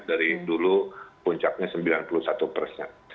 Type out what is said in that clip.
dari dulu puncaknya sembilan puluh satu persen